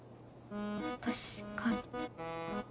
確かに。